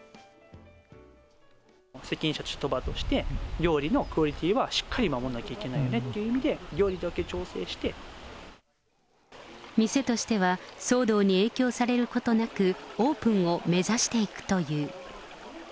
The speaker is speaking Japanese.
責任者・鳥羽として、料理のクオリティーはしっかり守らなきゃいけないよねっていう意店としては、騒動に影響されることなく、オープンを目指していくという。